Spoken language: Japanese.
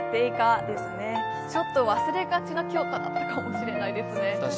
ちょっと忘れがちな教科だったかもしれないですね。